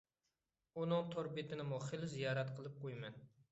ئۇنىڭ تور بېتىنىمۇ خىلى زىيارەت قىلىپ قويىمەن.